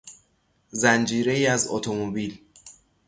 زنجیرهای از اتومبیل